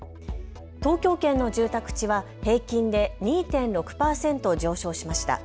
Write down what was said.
東京圏の住宅地は平均で２．６％上昇しました。